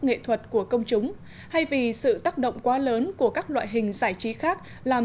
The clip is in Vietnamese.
nghệ thuật của công chúng thay vì sự tác động quá lớn của các loại hình giải trí khác làm